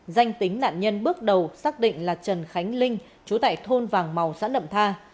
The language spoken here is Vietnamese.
danh tính nạn nhân bước đầu xác định là trần khánh linh chú tại thôn vàng màu xã nậm tha